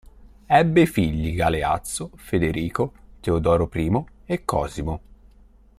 Ebbe i figli Galeazzo, Federico, Teodoro I e Cosimo.